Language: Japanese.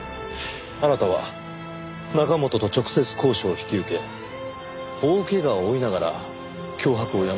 あなたは中本と直接交渉を引き受け大けがを負いながら脅迫をやめさせた。